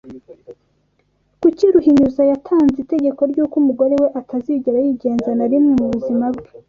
Kuki Ruhinyuza yatanze itegeko ry’uko umugore we atazigera yigenza na rimwe mu buzima bwe